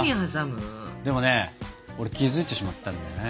でもね俺気付いてしまったんだよね。